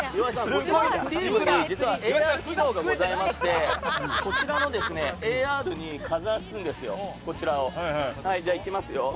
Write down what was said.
こちらのクレープに実はＡＲ機能がございましてこちらのＡＲにかざすんですよ。いきますよ。